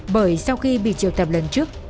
bởi sau khi bị triều tập lần trước